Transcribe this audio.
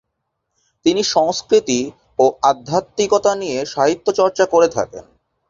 তিনি সংস্কৃতি ও আধ্যাত্মিকতা নিয়ে সাহিত্যচর্চা করে থাকেন।